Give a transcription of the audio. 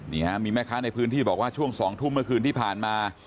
นี่ฮะมีแม่ค้าในพื้นที่บอกว่าช่วง๒ทุ่มเมื่อคืนที่ผ่านมา